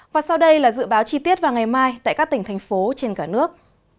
và sau đây là dự báo chi tiết vào ngày mai tại các tỉnh thành phố trên cả nước